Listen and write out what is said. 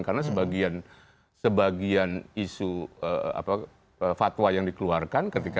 karena sebagian isu fatwa yang dikeluarkan